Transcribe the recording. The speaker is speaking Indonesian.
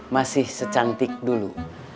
masih secantik dulu